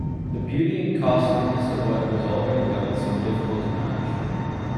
The beauty and costliness of what was already done seemed difficult to match.